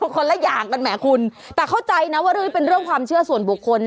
คนละอย่างกันแหมคุณแต่เข้าใจนะว่าเรื่องนี้เป็นเรื่องความเชื่อส่วนบุคคล